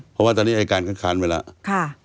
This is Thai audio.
เพราะว่าตอนนี้อายการก็ค้านไว้แล้ว